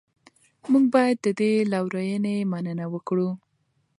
موږ باید د دې لورینې مننه وکړو.